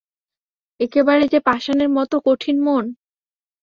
একেবারে যে পাষাণের মতো কঠিন মন!